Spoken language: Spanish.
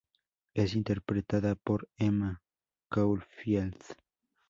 Es interpretada por Emma Caulfield.